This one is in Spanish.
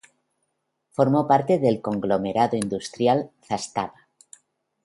Formó parte del conglomerado industrial Zastava.